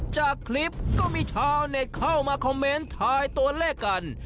จากคลิปก็มีชาวเน็ตเข้ามาคอมเมนต์ทายตัวเลขกัน